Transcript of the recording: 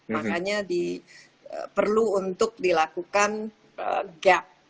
makanya perlu untuk dilakukan gap